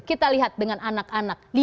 kita lihat dengan anak anak